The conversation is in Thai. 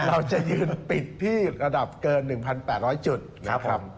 เราจะยืนปิดที่ระดับเกิน๑๘๐๐จุดนะครับผม